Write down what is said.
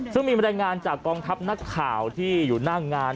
ซึ่งมีบรรยายงานจากกองทัพนักข่าวที่อยู่หน้างาน